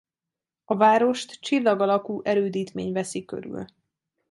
A várost csillag alakú erődítmény veszi körül.